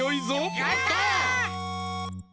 やった！